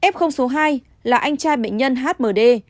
f số hai là anh trai bệnh nhân hmd